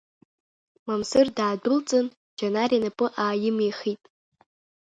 Мамсыр даадәылҵын, Џьанар инапы ааимихит.